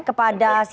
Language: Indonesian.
terima kasih kembali